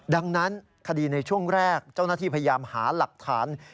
ดังนั้นคดีในช่วงแรกเจ้าหน้าที่พยายามหาหลักฐาน